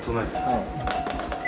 はい。